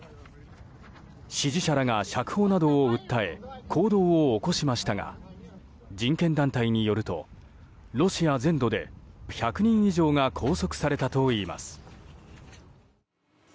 支持者らが釈放などを訴え行動を起こしましたが人権団体によるとロシア全土で１００人以上が拘束されたといいます。